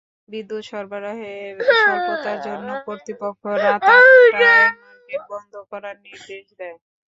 বিদ্যুৎ সরবরাহের স্বল্পতার জন্য কর্তৃপক্ষ রাত আটটায় মার্কেট বন্ধ করার নির্দেশ দেয়।